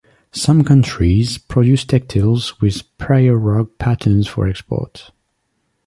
Some countries produce textiles with prayer rug patterns for export.